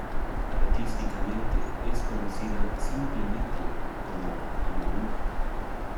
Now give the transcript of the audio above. Artísticamente es conocida simplemente como Anouk.